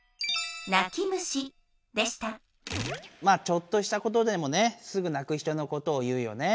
ちょっとしたことでもねすぐなく人のことを言うよね。